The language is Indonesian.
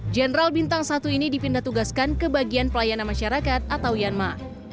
general bintang satu ini dipindah tugaskan ke bagian pelayanan masyarakat atau yanma